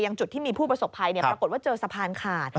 จุดที่มีผู้ประสบภัยปรากฏว่าเจอสะพานขาด